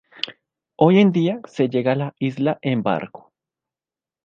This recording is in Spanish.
Hoy en día, se llega a la isla en barco.